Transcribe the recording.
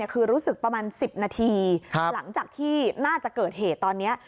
คือรู้สึกประมาณ๑๐นาทีหลังจากที่น่าจะเกิดเหตุตอนนี้